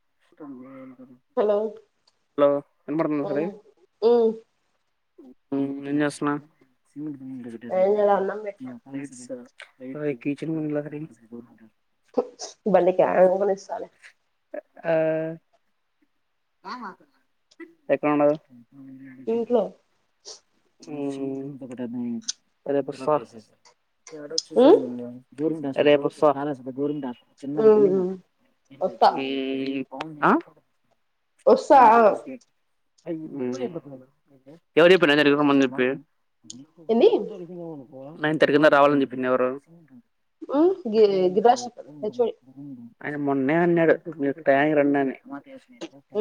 [unintelligible] Hello hello [unintelligible] పడుకున్న ఉమ్ [unintelligible] ఉమ్ మ్మ్ ఏం చేస్తున్నావు ఏం చేయాలే అన్నం పెట్టినా ఇరవై కేజీ నూనె [unintelligible] మనకి యాలా [unintelligible] ఆ ఎక్కడ ఉన్నావు ఇంట్లో రేపు ఉమ్ వస్తారు రేపు వస్తా ఉమ్ ఉమ్ వస్తా వస్తా [inaudible] ఆ ఎవరు చెప్పిండు నైన్ థర్టీకి రమ్మని చెప్పి ఏంది నైన్ థర్టీ కింద రావాలని చెప్పింది ఎవరు ఉమ్ గి గిరాశిపల్ హెచ్ఓడి ఆయన మొన్నే అన్నాడు మీరు టయానికి రండి అని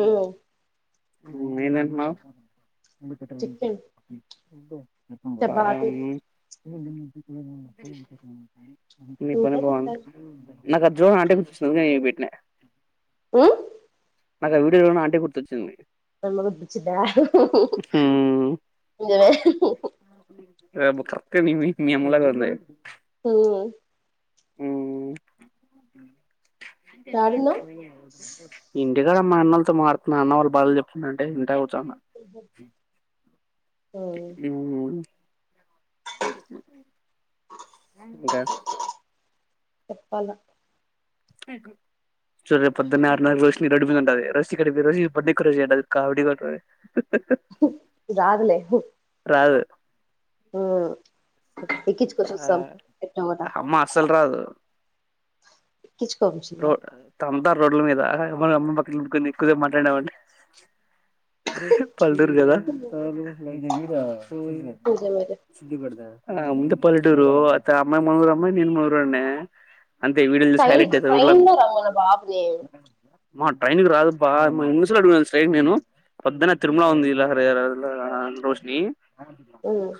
ఉమ్ హ్మ్ ఏం తింటున్నావ్ చికెన్ చపాతి పాయామ్ [inaudible] తింటే తింటాను నాకు జో [unintelligible] పెట్టిన ఒ నాకు ఆ వీడియోలో ఉన్న ఆంటీ గుర్తొచ్చింది మాయమ్మ గుర్తొచ్చిద్దా రేపు తప్ప్‌తే మీమీ మీఅమ్మ లాగా ఉంది హ్మ్ యాడున్నావ్ ఇం ట్లోనా మా అన్నలతో మారుతున్న అన్న వాళ్ళు బాధలు చెప్తున్నా ఉంటే ఇంట కూర్చన ఉమ్ హ్మ్ ఇంకా చెప్పాలా మ్మ్ చూడు రేపొద్దున్నే ఆరున్నరకి లేచి నీ రోడ్డుమీద ఉంటది రెస్ట్ ఇక్కడ తిరిగేసి ఇప్పుడు క్రేజ్ అంటది కామెడీగుంటది రాదులేసి రాదు హ్మ్ ఎక్కించుకొని ఆ చూస్తాం ఎట్టో ఒకట అమ్మ అస్సలు రాదు రో తంతర్ రోడ్లమీద మన అమ్మని పక్కన పెట్టుకొని ఎక్కువసేపు మాట్లాడినావంటే పల్లెటూరు కదా నిజమే ఆ ముందే పల్లెటూరు అయితే ఆ అమ్మాయి మనురమ్మాయి నేను మనురోనే అంతే వీడియోలు తీసి ట్రైన్ హైలెట్ ట్రైన్ ఊర్లాకు లో రమ్మను బాబుని మా ట్రైనిక రాదప్ప ముసలోడికి కూడా స్ట్రైట్ నేను పొద్దున్న తిరుమల ఉంది లహరిలో రోష్ని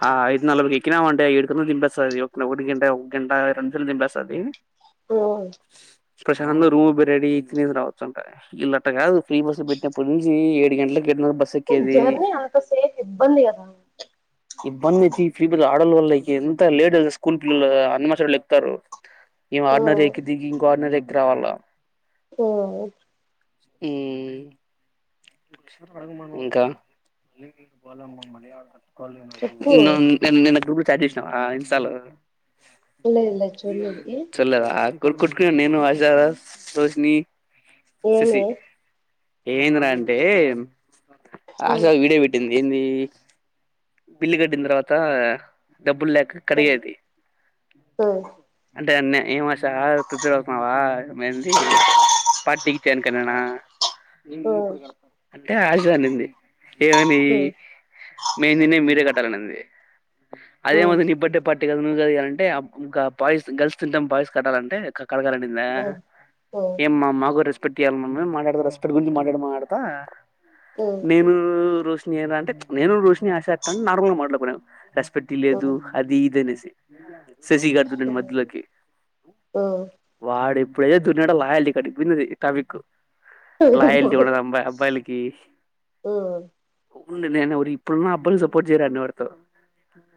ఆ ఐదు నలబ్బేకి ఎక్కినామంటే ఈడ గంటలకి దింపేస్తాది ఒకటి గంట ఒక గంట ఇరవై నిమిషాలకు దింపేస్తాది మ్మ్ ప్రశాంత రూబ్ రెడీ తినేసి రావచ్చు అంట ఈళ్ళు అట్ట కాదు ఫ్రీ బస్సు పెట్టినప్పటి నుంచి ఏడు గంటలకి గెట్ను బస్సెక్కేది జర్నీ అంతసేపు ఇబ్బంది కదా ఇబ్బంది తి ఈ ఫీల్డ్‌ల ఆడాళ్ళ వల్ల ఎంత లేట్ స్కూల్ పిల్లలు అనుమచోలేక్కుతారు ఈమె ఆర్డినరీ ఎక్కి దిగి ఇంకో ఆర్డినరీ ఎక్కి రావాలా ఓహో మ్మ్ ఇంకా చెప్పు నిన్ నిన్న గ్రూపులో చాట్ చేసినవా ఇన్స్టాలో లేదు లేదు చూడలేదు చూడలేదా గోల్కొట్టుకున్నాం నేను ఆశరాజ్ రోషిని ఏమి ఏందరా అంటే ఆశా వీడియో పెట్టింది ఏంది బిల్లు కట్టిన తర్వాత డబ్బులు లేక కడిగేది అం టే అన్న ఏం ఆశ ప్రిపేర్ అవుతున్నావా మేంది పార్టీకి చేైన్ కన్నేన్న అంటే ఆశ అనింది ఏమని మేము తినేది మీరే కట్టాలనంది అదేమది నీ బర్త్డే పా ర్టీ నువ్వు కదా ఇయాలంటే ఇంకా గర్ల్స్ తింటాం బాయ్స్ కట్టాలంటే క కడగాలియనిద ఏం మా మాకు రెస్ట్ పెట్యాలి మన మాట్లాడత రెస్పెట్ గురించి మాట్లాడు మాట్లాడతా నేను రో షిని అంటే నేను రోషిని ఆ నార్మల్ మాట్లా రెస్పెట్ ఇయలేదు అది ఇదినే శశిగాడు దురిండు మద్యలోకి ఇప్పుడు ఏది అయితే ఉన్నాడో లోయలిటీ కాడికి పోయింది టాపిక్ లోయలిటీ ఉన్నడదు అబ్బాయిలకి ఉన్నే ఇప్పుడు అప్పుడు అబ్బాయి లూ సపోర్ట్ చేయారు అన్నవతో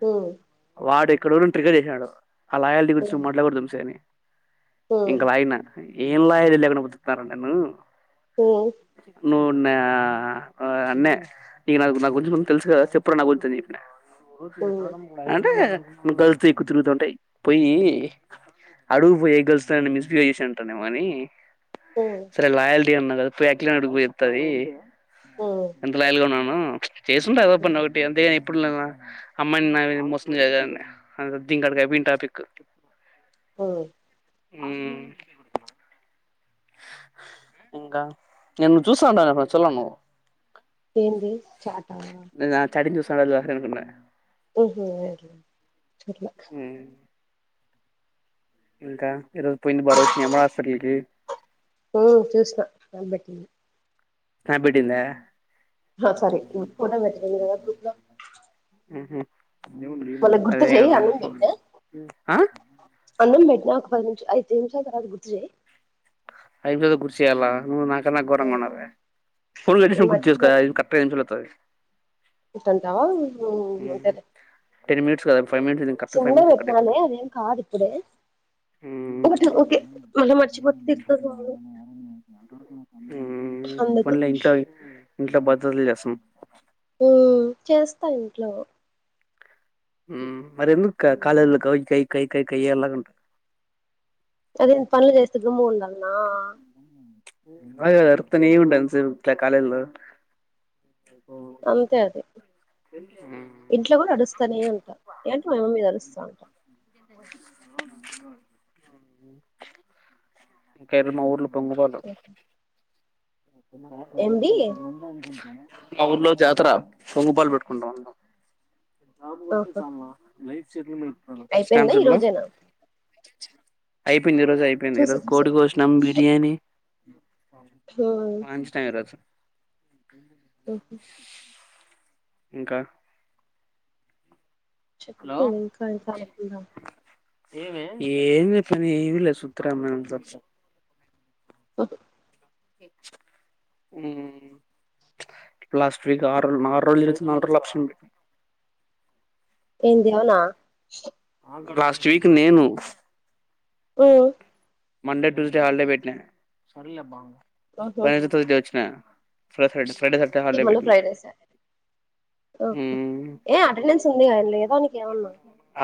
మ్మ్ ఇక్కడ ట్రికర్ చేసాడు ఆ లోయలిటీ గురించి నువ్వు మాట్లాకూడదు వంశీ ఇంక లాయినా ఏం లాజిక్ లేకుండా పాటింటారా నన్నూ ఉమ్ నువ్వు నా అన్నే నీకు నాకు నా గురించి తెలుసు చెప్పరా నా గురించి అనీ చెప్పిన అంటే నువ్వు గర్ల్స్ తో ఎక్కువ తిరుగుతావంటే పోయి అడుగు పోయి ఏ గర్ల్స్తో అయినా మిసబెహేవ్ చేసి అంటానేమని సరే లాయల్టీ అన్నా కదా పోయి అఖిల నీ అడుగు పోయి అడుగు చెప్తాది ఎంత లాయల్గా ఉన్నా ఉమ్ చేసింట ఎదవ పని ఒకటి అంతేకాని ఇప్పు అమ్మాయిని నా మోసం అ దీనికి కాడికి అయిపోయింది టాపిక్ ఉమ్ ఉమ్ ఇంకా నేన్ చూసాట ఫంక్షన్ లో నువ్వు ఏంది చాట్ ఆ సర్ అనుకున్న ఉహు ఇంకా ఈ రోజు పోయింది అబ్బా రోషిని అమ్మలా హాస్పిటల్ కీ చూసిన పెట్టింది కానిబేటిందా సారీ ఫోటో పెట్టలేదు కదా గ్రూప్ లో మళ్ళ గుర్తు అదే చేయి కదా అన్నం పెట్టినా ఆ అన్నం పెట్టినా ఒక పది నిమిష ఐదు నిమిషాల తర్వాత గుర్తు చేయి ఐదు నిముషాలు అల నువు నా ఘోరంగా ఉన్నది నేను ఫోన్షన్ కుక్ చే కరెక్తుంది ఉంటంటావా ఉ అంతేలే టెన్ మినిట్స్ కదా ఫైవ్ మినిట్స్ ఇది కరెక్ట్ గా సిం ఫైవ్ లో మినిట్స్ కట్ పెట్నాలే అయిపోతది అదేం కాదు ఇప్పుడే ఓ ఓకే మళ్ళీ మర్చిపోతే తిడతాది మమ్మీ ఆ అందుకు ఇంట్లో భద్రతలు చేస్తాం ఉ చేస్తా ఇంట్లో మరి ఎందుకు కాలేజీ లో క కై కై కై కై ఎలాగంట అది ఏంటి పనులు చేస్త గమ్ము ఉండాలనా అ అర్తనే ఏ ఉండు ఎంతసెపు కాలేజీ లో అంతే అది ఇంట్లో కూడా అరుస్తానే ఉంటా ఏంటి మా మమ్మీ మీద అరుస్తా ఇకాళ మా ఊర్లో ఉలువలు ఎంబి ఎ మా ఊర్లో జాతర పొంగు పాలు పెట్టుకుంటాం ఆహా అయిపోయిందా షాప్స్ ఈ ఉండాలా రోజేనా అయిపోయింది ఈరోజు అయిపోయింది చూసా ఈరోజు చూసా కోడి కోసినం బిర్యానీ అంచి టైమ్ ఇ రోజు ఓహో ఇంకా చెప్పు ఇంకా ఇంత అనుకుందాం ఏమీ లేదు సుత్తి రామాయణం తప్ప హా మ్మ్ లాస్ట్ వీక్ ఆర్డర్లు ఆరు రోజులు చేసిన నాలుగు లక్షలు ఏంది లోన పెట్టిన లాస్ట్ వీక్ నేను ఓ మండే ట్యూస్డే హాలిడే పెట్టిన వెనస్డే ట్యూస్డే వచ్చిన నెక్స్ట్ ఫ్రైడే సాటర్డే హాలిడే కేమలు పెట్టిన ఫ్రైడ్ రైస్ ఓకే ఏ అటెండెన్స్ ఉందిగా లేదా నీకు ఏమన్నా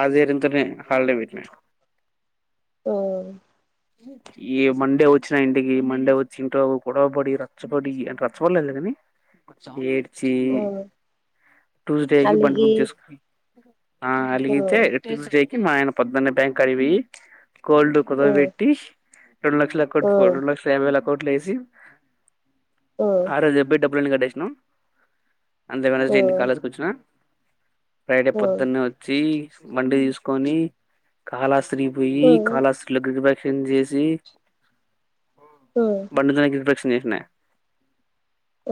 ఆదే ఇంటర్నెట్ హాలిడే పెట్టిన ఓ ఈ మండే వచ్చినా ఇంటికి మండే వచ్చి ఇంట్లో గొడవ పడి రచ్చపడి అ రచ్చపడలేదు కాని ఏడ్చి ఉమ్, ట్యూస్డే కి బండి బుక్ అలిగి చేసుకున్న ఆ అలిగితే ఉమ్, టూస్డే మా ఆయన పొద్దు న్నే బ్యాంక్ కాడికి పోయి గోల్డ్ ఉమ్, కూదబెట్టి రెండు లక్షలు పట్టుకొని ఉమ్, రెండు లక్షల యాబై వేలు అకౌంట్లో వేసి ఉమ్, ఆడ చెప్పే టప్పుడు కట్టేసినం అందుకనే వెనస్డే ఇంటి కా నుంచి ఉమ్, కాలేజ్ కి వచ్చిన ఫ్రైడే ఉమ్, పొద్దున్నే వచ్చి బండి తీసుకొని కాలాస్తి అక్కడికి పోయి ఉమ్, కాళక్షేపం చేసి ఉమ్, బండి మీద ప్రదక్షణ చేసినా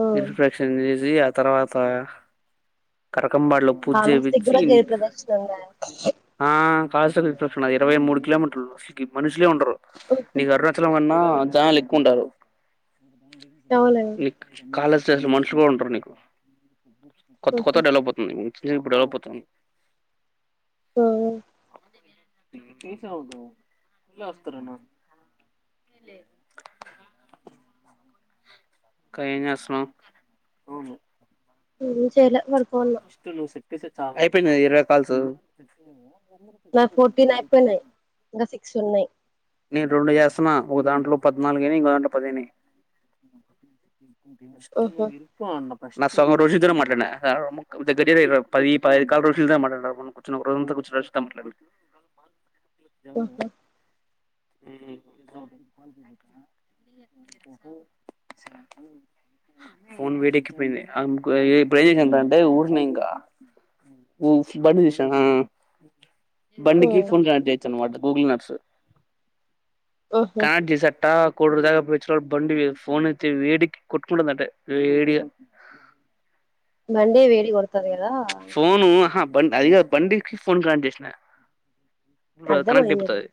ఉమ్. ఇంట్రడాక్షన్ చేసి ఇగ ఆ తర్వాత కరకంబాట్లో పూజ కాళహస్తికి చేపిచ్చి కూడా గిరి ప్రదక్షిణంగా ఆ ప్రదక్షణ ఇరవై మూడు కిలోమీటర్లు అ మనిషి ఉంటరు నీకు అరుణాచలం కన్నా జనాలు ఎక్కువ ఉండరు అవులే నీ కాలేజ్లో మనుషులు కూడా ఉండరు నీకు కొత్త కొత్త గా డెవలప్ అవుతుంది ఇప్పుడు డెవలప్ అవుతుంది ఆ చేసావు నువ్వు ఇగ వస్తున్నాను ఇంకా ఎం చేస్తున్నావ్ ఎం చేయాలె పడుకొన్నా అయిపోయినాయ ఇరవై కాల్స్ నా ఫోర్టీన్ ఐపోయినయ్ ఇంకా సిక్స్ ఉన్నాయి నేను రెండు చేస్తున్నా ఒక దాంట్లో పద్నాలుగైనయ్ ఇంకో దాంట్లో పదిఅయినయ్ ఉహు, అ నా సహోదరుడు రుచిత్ తో మాట్లడినా ద పది పది కాల్స్ రోజు మాట్లాడి కూర్చోని రోజు కూర్చుండి మాట్లాడాను [inaudible] ఓహో మ్మ్ హ్హ్ అవును ఫోన్ వేడెక్కి పోయింది అంటే ఊడినింకా ఆ బండికి ఉమ్, ఫోన్ కనెక్ట్ చేయచ్చ అన్నమాట గూగుల్ నట్స్ ఉహు. కనెక్ట్ చేసట్టా [unintelligible] బండి ఫోన్ అయితే వేడికి కొట్కుంటందంటే వేడిగా [inaudible] మండే వేడి కొడతది కదా బం అదికాదు బండికి ఫోన్ కనెక్ట్ చేసిన కనెక్ట్ అర్థమయింది అయిపోతది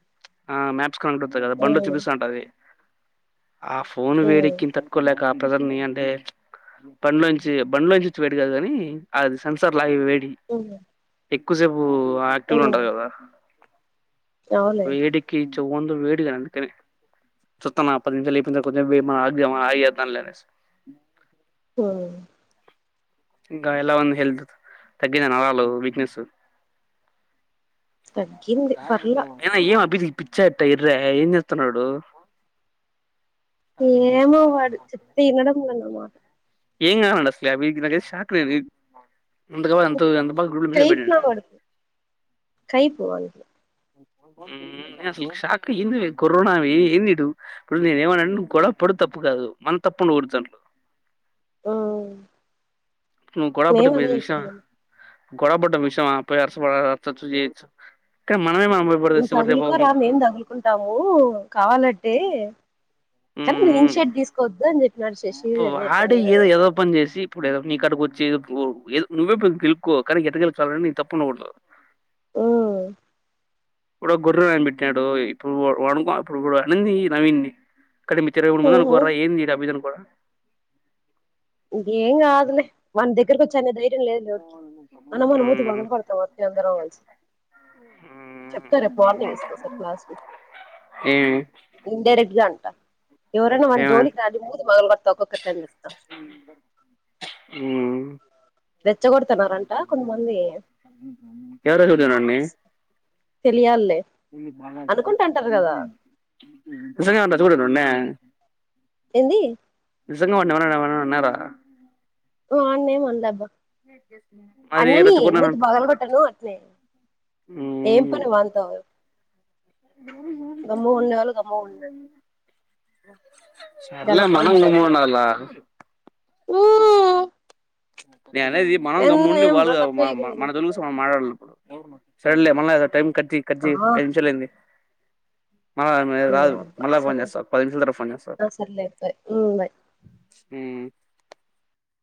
ఆ మ్యాప్స్ [unintelligible] కదా బండ్లు ఉమ్ చూపిస్తా ఉంటది ఆ ఫోన్ ఉమ్ వేడెక్కింది తట్టుకోలేక ప్రెజర్నీ అంటే బండ్లో నుంచి బండ్లోంచి వచ్చే వేడి కాదు కాని అది సెన్సార్ లైవ్ వేడి ఉహు ఎక్కువ సేపు ఆక్టివ్ లో ఉంటది కదా అవులే వేడికి చెవ్వు [unintelligible] వేడి కదా అందుకనే చుత్తానా పది నిమిషాలు లేపింది సరిపోద్ధి [unintelligible] లేనేసి ఊ ఇంకా ఎలా ఉంది హెల్త్ తాగింద నరాల వీక్నెస్ తగ్గింది పర్లా ఐనా ఏమ్ [unintelligible] పిచ్చ వెర్రా ఏంచేస్తున్నాడు ఏమో వాడు చెప్తే వినడం లే మాట ఏమ్ కావాలంట అస్లా వీడికి నాకైతే షాక్ [unintelligible] [unintelligible] పెటిండు అనా కైపు నా మాట వాడికి కైపు వానికి నేనసలు షాక్ ఏంది [unintelligible] ఏంది వీడు ఇప్పుడు నేను ఏమన్నా అంటే గొడవ పాడ్ తప్పు కాదు మన తప్పు [unintelligible] తాండ్రు ఆ నువ్వు గొడవ పడ్డ ఈ విష గొడబడ్డ విషయమ్ ఆపేయ్ అసలు వాడు టచ్ చేయొచ్చు కానీ మనమే మనం పోయి పడితే నువ్వు చివరి తగులుకోరా దెబ్బ మేం తగులుకుంటాం కావాలంటే కానీ నింషార్ట్ తీసుకోవద్దు అని చెప్పి అబ్బో వాడే ఏదో వెదవ పని చేసి ఇప్పుడు ఏదో నీకాడికి ఓచ్ చెప్పు ఏదో నువ్వే పెద్ద గెలుకో కానీ ఎట్ట గెలుకుతావో ని తప్పు ఉండగూడదు ఊ ఇప్పుడు గొడవ ఏం పెట్టాడు ఇప్పుడు వాడు [unintelligible] కానీ మీ తిరుగుడు మంది ఉహు అనుకోరా ఏంది [unintelligible] ఎన్ గాదులే వానికి దగరికొచ్చే అంత దైర్యం లేదులే వాద్ మనము వాని మూతి మ్మ్ పగలగొడతాం వచ్చి అందరం కలిసి మ్మ్ చెప్తా రేపు మార్నింగ్ ఒకసారి క్లాస్ లో ఏమి ఇన్ డైరెక్ట్ గా అంట ట ఎవరైనా వాని ఏమి జోలికి రానియ్ మూతి పగలగొడుత ఒక్కరికి అని చెప్తా ఊ రెచ్చగొడుతున్నారంట కొంతమంది ఎవరెవరు చూసిండ్రు వాన్ని తెలియాలే అనుకుంట అంటారు కదా నిజంగా అంట చూడు వాన్ని ఏంది నిజంగా వాన్ని ఎవరన్న ఏమన్నా అన్నారా వాన్ని ఏమ్ అనలేబ్బా మరి అనని రెచ్చగొట్టినారు మూతి పగలగొట్టను అట్నే ఏం మ్మ్ పని వాంతో గమ్ము ఉండేవాళ్ళు గమ్ము ఉండండి సర్లే మనం గమ్ముగుండాలా ఊ నేను అనేది మనం గమ్ము వుండి వాళ్ళు కాదు తప్పు మనం చేయకుండా మన జోలికివాస్తే ఎందుకుంటావ్ మనము మాట్లాడాలి అప్పుడు సర్లే [unintelligible] కట్ చెయ్ కట్ చెయ్ ఆ ఐదు నిముషాలు అయింది మల్ల ఇది నీ రాదు యబ్బా మల్ల ఫోన్ సర్లే చేస్తా ఆగు పదీ నిముషాలా తర్వాత ఫోన్ చేస్తా ఆ సర్లే బాయ్ మ్మ్ బాయ్ ఆగు ఊ